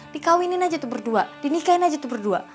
dikawinin aja tuh berdua dinikain aja tuh berdua